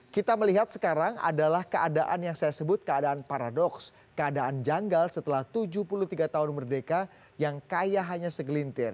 kita melihat sekarang adalah keadaan yang saya sebut keadaan paradoks keadaan janggal setelah tujuh puluh tiga tahun merdeka yang kaya hanya segelintir